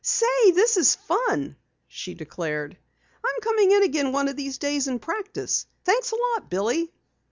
"Say, this is fun!" she declared. "I'm coming in again one of these days and practice. Thanks a lot, Billy!"